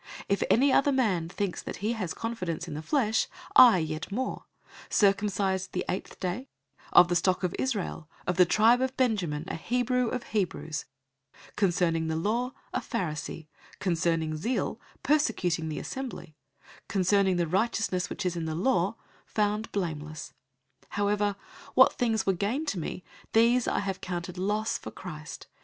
If any other man thinks that he has confidence in the flesh, I yet more: 003:005 circumcised the eighth day, of the stock of Israel, of the tribe of Benjamin, a Hebrew of Hebrews; concerning the law, a Pharisee; 003:006 concerning zeal, persecuting the assembly; concerning the righteousness which is in the law, found blameless. 003:007 However, what things were gain to me, these have I counted loss for Christ.